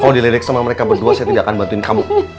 kalau dilirik sama mereka berdua saya tidak akan bantuin kamu